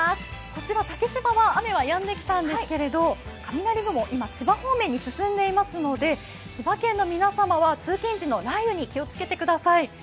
こちら竹芝は雨はやんできたんですけれども、雷雲、今千葉方面に進んでいますので千葉県の皆様は通勤時の雷雨に気をつけてください。